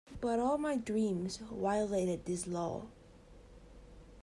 But all my dreams violated this law.